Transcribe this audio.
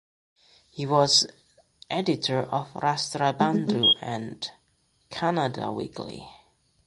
He was Editor of "Rashtrabandhu and" Kannada weekly.